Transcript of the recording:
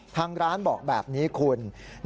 ทางร้านบอกแบบนี้คุณ